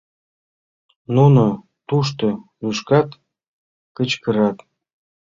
Нуно тушто лӱшкат, кычкырат.